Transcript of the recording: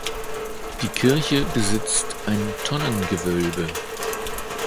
Die Kirche besitzt ein Tonnengewölbe.